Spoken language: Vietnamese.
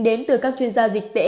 đến từ các chuyên gia dịch tễ